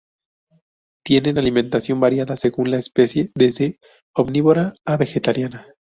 Tienen alimentación variada según la especie, desde omnívora a vegetariana.